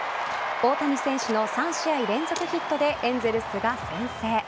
大谷選手の３試合連続ヒットでエンゼルスが先制。